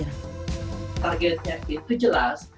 targetnya itu jelas